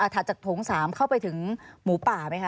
ถัดจากโถง๓เข้าไปถึงหมูป่าไหมคะ